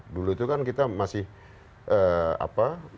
dulu itu kan kita masih mendengar keluarga